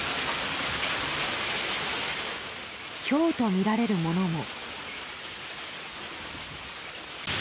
ひょうとみられるものも。